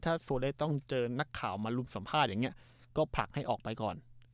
ถ้าโฟเลสต้องเจอนักข่าวมาลุมสัมภาษณ์อย่างนี้ก็ผลักให้ออกไปก่อน